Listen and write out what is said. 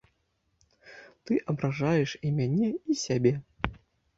Ты абражаеш і мяне і сябе.